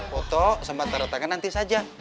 foto sama taruh tangan nanti saja